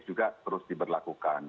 juga terus diberlakukan